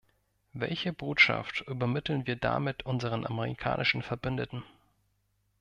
Welche Botschaft übermitteln wir damit unseren amerikanischen Verbündeten?